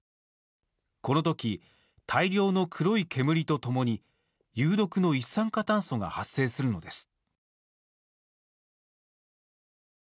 このとき、大量の黒い煙とともに有毒の一酸化炭素が発生するのです。